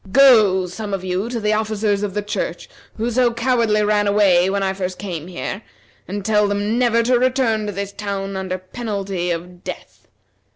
Go, some of you, to the officers of the church, who so cowardly ran away when I first came here, and tell them never to return to this town under penalty of death.